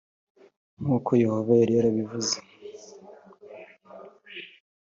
nk uko yehova yari yarabivuze